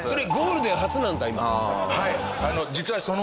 はい。